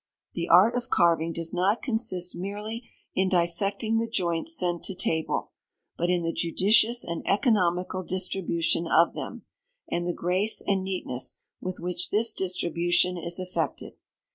The art of carving does not consist merely in dissecting the joints sent to table, but in the judicious and economical distribution of them, and the grace and neatness with which this distribution is effected.